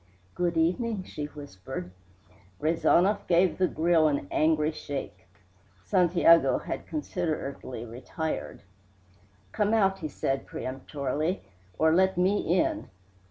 "Good evening," she whispered. Rezanov gave the grill an angry shake. (Santiago had considerately retired.) "Come out," he said peremptorily, "or let me in."